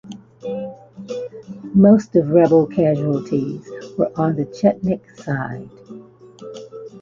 Most of rebel casualties were on the Chetnik side.